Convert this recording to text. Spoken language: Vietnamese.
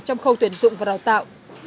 trong khâu tuyển dụng và đào tạo